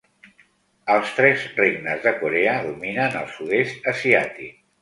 Els Tres regnes de Corea dominen el sud-est asiàtic.